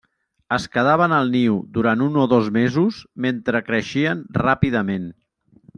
Es quedaven al niu durant un o dos mesos, mentre creixien ràpidament.